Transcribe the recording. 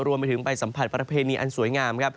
รวมไปถึงไปสัมผัสประเพณีอันสวยงามครับ